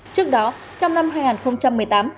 trước đó trong năm hai nghìn một mươi tám